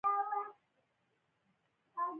دا ماشوم ډېر هوښیار دی.